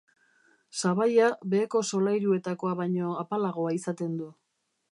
Sabaia beheko solairuetakoa baino apalagoa izaten du.